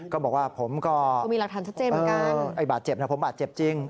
ก็บอกว่าผมก็บาดเจ็บนะผมบาดเจ็บจริง